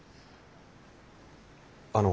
あの。